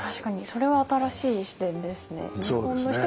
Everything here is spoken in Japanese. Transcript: それは新しい視点ですね。